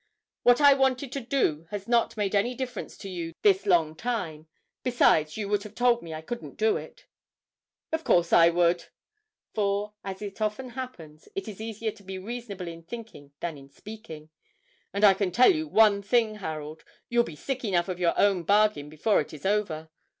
"What I wanted to do has not made any difference to you this long time. Besides, you would have told me I couldn't do it." "Of course I would" (for, as it often happens, it is easier to be reasonable in thinking than in speaking); "and I can tell you one thing, Harold, you'll be sick enough of your own bargain before it is over.